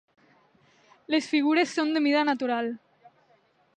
Les figures són de mida natural.